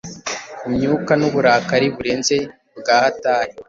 Ku myuka n'uburakari burenze bwahatari